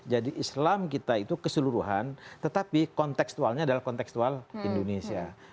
jadi islam kita itu keseluruhan tetapi konteksualnya adalah konteksual indonesia